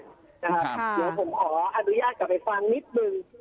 เดี๋ยวผมขออนุญาตกลับไปฟังนิดนึง